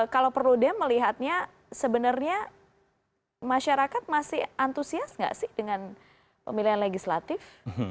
kalau perlu deh melihatnya sebenarnya masyarakat masih antusias gak sih dengan pemilihan legislatif